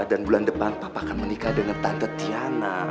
bulan depan papa akan menikah dengan tante tiana